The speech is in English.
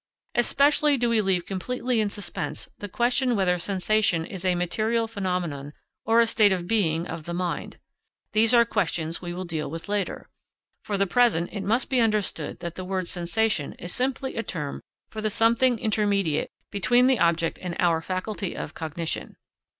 Especially do we leave completely in suspense the question whether sensation is a material phenomenon or a state of being of the mind. These are questions we will deal with later. For the present it must be understood that the word sensation is simply a term for the something intermediate between the object and our faculty of cognition.